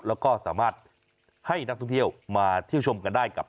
แล้วก็สามารถให้นักท่องเที่ยวมาเที่ยวชมกันได้กับ